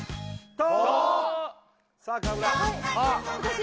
「と」